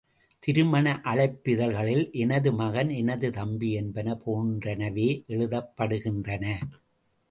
திருமண அழைப்பிதழ்களில் எனது மகன், எனது தம்பி என்பன போன்றனவே எழுதப்படுகின்றன்.